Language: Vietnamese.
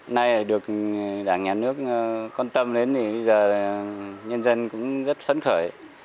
nay được đảng nhà nước quan tâm đến thì bây giờ nhân dân cũng rất phấn khởi